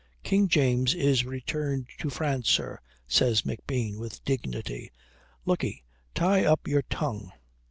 "King James is returned to France, sir," says McBean with dignity. "Look 'e, tie up your tongue.